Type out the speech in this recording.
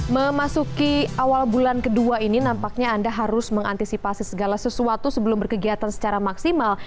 memasuki awal bulan kedua ini nampaknya anda harus mengantisipasi segala sesuatu sebelum berkegiatan secara maksimal